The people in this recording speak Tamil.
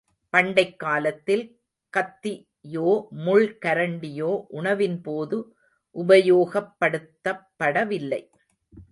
பண்டைக் காலத்தில் கத்தியோ முள் கரண்டியோ உணவின்போது உபயோகப்படுத்தப்பட வில்லை.